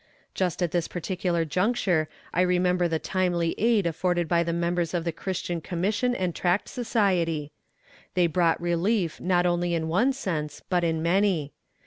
Just at this particular juncture I remember the timely aid afforded by the members of the Christian Commission and Tract Society. They brought relief not only in one sense, but in many.